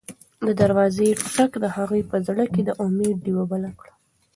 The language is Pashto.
د دروازې ټک د هغې په زړه کې د امید ډېوه بله کړه.